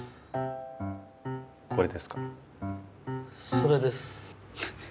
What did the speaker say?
それです。